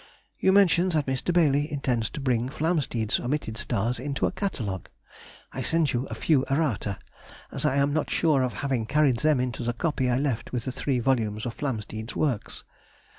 You mention that Mr. Baily intends to bring Flamsteed's omitted stars into a Catalogue; I send you a few errata, as I am not sure of having carried them into the copy I left with the three volumes of Flamsteed's works.